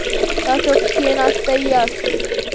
تاسو کښیناستی یاست؟